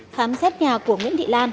khám xét nhà của nguyễn thị lan